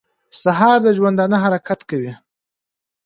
سهار د ژوندانه حرکت کوي.